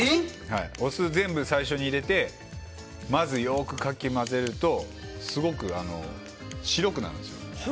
お酢全部、最初に入れてまず、よくかき混ぜるとすごく白くなるんですよ。